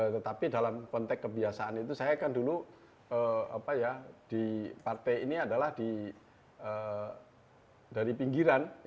tetapi dalam konteks kebiasaan itu saya kan dulu di partai ini adalah dari pinggiran